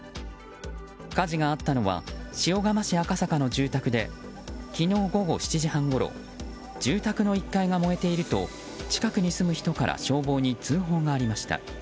火事があったのは塩竈市赤坂の住宅で昨日午後７時半ごろ住宅の１階が燃えていると近くに住む人から消防に通報がありました。